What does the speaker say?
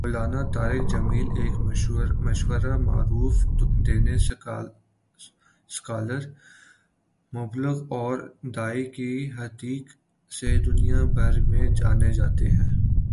مولانا طارق جمیل ایک مشہور و معروف دینی سکالر ، مبلغ اور داعی کی حیثیت سے دنیا بھر میں جانے جاتے ہیں